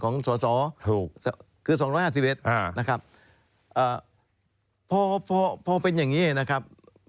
สอสอคือ๒๕๑นะครับพอพอเป็นอย่างนี้นะครับ